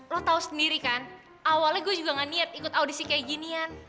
lo tahu sendiri kan awalnya gue juga gak niat ikut audisi kayak ginian